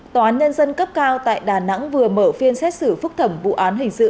tòa án nhân dân cấp cao tại đà nẵng vừa mở phiên xét xử phúc thẩm vụ án hình sự